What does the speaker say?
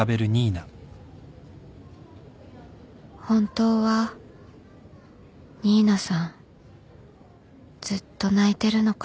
本当は新名さんずっと泣いてるのかな